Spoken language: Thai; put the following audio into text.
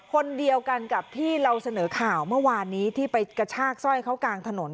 คนเดียวกันกับที่เราเสนอข่าวเมื่อวานนี้ที่ไปกระชากสร้อยเขากลางถนน